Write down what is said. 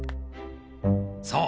そう。